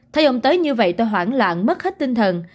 thấy ông tê như vậy tôi hoảng loạn mất hết tinh thần